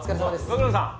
ご苦労さん！